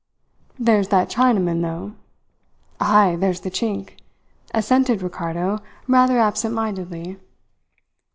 "There's that Chinaman, though." "Ay, there's the Chink," assented Ricardo rather absentmindedly.